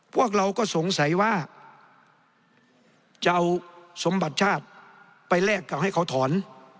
พวกเราก็สงสัยว่าจะเอาสมบัติชาติไปแลกกับให้เขาถอน